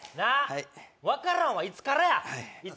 はい分からんわいつからや？